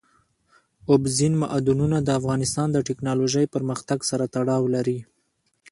اوبزین معدنونه د افغانستان د تکنالوژۍ پرمختګ سره تړاو لري.